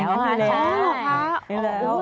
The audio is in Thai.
อย่างนั้นอยู่แล้ว